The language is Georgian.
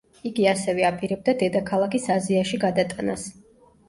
იგი ასევე აპირებდა დედაქალაქის აზიაში გადატანას.